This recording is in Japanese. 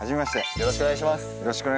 よろしくお願いします。